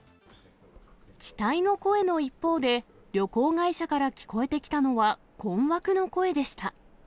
期待の声の一方で、旅行会社から聞こえてきたのは、困惑の声でした。